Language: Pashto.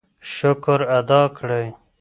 شکر ادا کړئ.